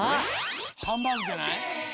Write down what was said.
ハンバーグじゃない？